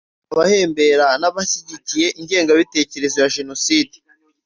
Hari abahembera n’ababashyigikiye ingengabitekerezo ya Jenoside